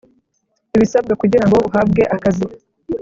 ibisabwa kugirango uhabwe akazi.